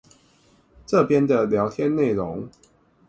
這邊的聊天內容